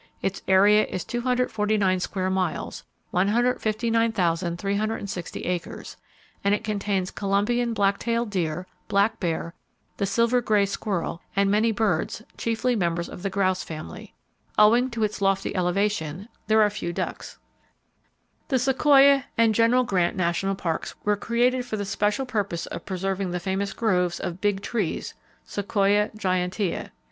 Its area is 249 square miles (159,360 acres), and it contains Columbian black tailed deer, black bear, the silver gray squirrel, and many birds, chiefly members of the grouse family. Owing to its lofty elevation, there are few ducks. [Page 344] The Sequoia And General Grant National Parks were created for the special purpose of preserving the famous groves of "big trees," (Sequoia gigantea).